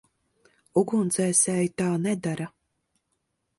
Ugunsdzēsēji tā nedara.